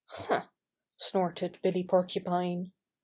"Huh!" snorted Billy Porcupine.